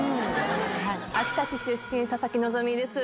秋田市出身、佐々木希です。